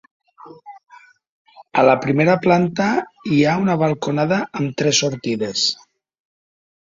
A la primera planta hi ha una balconada amb tres sortides.